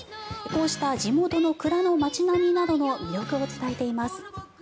こうした地元の蔵の町並みなどの魅力を伝えています。